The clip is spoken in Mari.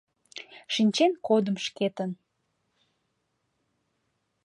Шинчен кодым шкетын.